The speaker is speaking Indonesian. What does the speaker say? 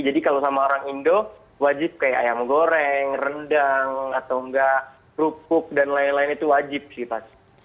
jadi kalau sama orang indo wajib kayak ayam goreng rendang atau enggak rupuk dan lain lain itu wajib sih pasti